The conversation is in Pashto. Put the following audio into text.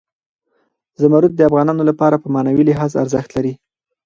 زمرد د افغانانو لپاره په معنوي لحاظ ارزښت لري.